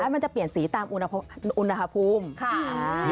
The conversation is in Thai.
มันจะเปลี่ยนสีตามอุณหภูมิค่ะ